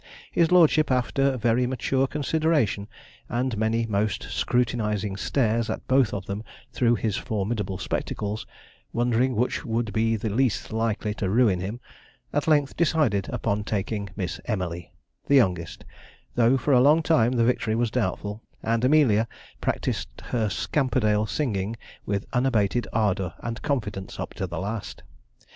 His lordship, after very mature consideration, and many most scrutinizing stares at both of them through his formidable spectacles, wondering which would be the least likely to ruin him at length decided upon taking Miss Emily, the youngest, though for a long time the victory was doubtful, and Amelia practised her 'Scamperdale' singing with unabated ardour and confidence up to the last.